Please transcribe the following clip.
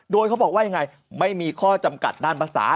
โดยเขาบอกว่ายังไงไม่มีข้อจำกัดด้านภาษา